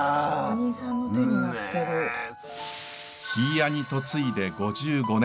杼屋に嫁いで５５年。